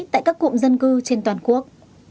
tại các cụm dân cư trên toàn quốc